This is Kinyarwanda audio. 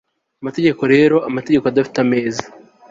Amategeko rero amategeko adafite ameza